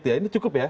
ini cukup ya